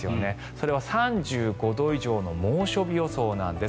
それは３５度以上の猛暑日予想なんです。